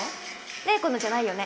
怜子のじゃないよね。